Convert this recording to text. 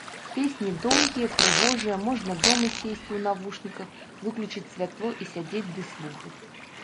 Песні доўгія, прыгожыя, можна дома сесці ў навушніках, выключыць святло і сядзець ды слухаць.